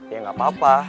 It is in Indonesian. ya gak apa apa